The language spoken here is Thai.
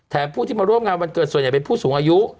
ผู้ที่มาร่วมงานวันเกิดส่วนใหญ่เป็นผู้สูงอายุ